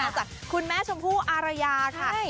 ค่ะคุณแม่ชมผู้อารยาค่ะใช่